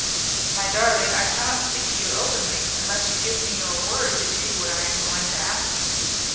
"My darling, I cannot speak to you openly, unless you give me your word to do what I am going to ask you."